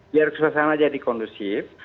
biar suasana jadi kondusif